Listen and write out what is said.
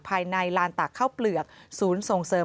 ภายในลานตากข้าวเปลือกศูนย์ส่งเสริม